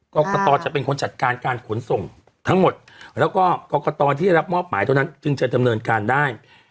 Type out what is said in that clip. กรกตจะเป็นคนจัดการการขนส่งทั้งหมดแล้วก็กรกตที่ได้รับมอบหมายเท่านั้นจึงจะดำเนินการได้